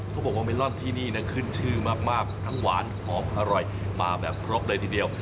เขาบอกว่าเมลอนที่นี่นะขึ้นชื่อมากทั้งหวานหอมอร่อยมาแบบครบเลยทีเดียว